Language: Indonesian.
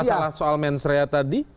masalah soal mensreah tadi